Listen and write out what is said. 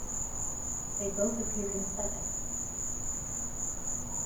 They both appeared in seven.